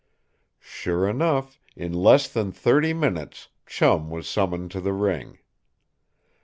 Sure enough, in less than thirty minutes Chum was summoned to the ring.